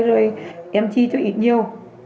rồi em chi cho ít nhiều